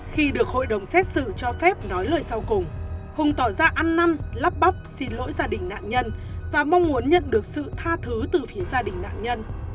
khi được hội đồng xét xử cho phép nói lời sau cùng hùng tỏ ra ăn năn lắp bóc xin lỗi gia đình nạn nhân và mong muốn nhận được sự tha thứ từ phía gia đình nạn nhân